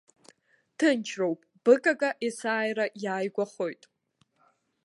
Ҭынчроуп, быгага есааира иааигәахоит.